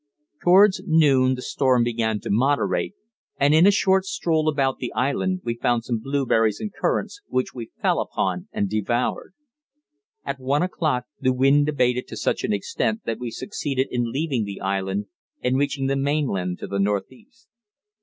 Towards noon the storm began to moderate, and in a short stroll about the island we found some blueberries and currants, which we fell upon and devoured. At one o'clock the wind abated to such an extent that we succeeded in leaving the island and reaching the mainland to the northeast.